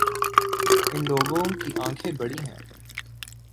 اِن لوگوں کی آنکھیں بڑی ہیں